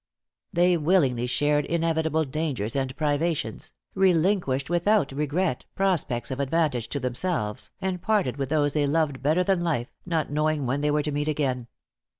They willingly shared inevitable dangers and privations, relinquished without regret prospects of advantage to themselves, and parted with those they loved better than life, not knowing when they were to meet again.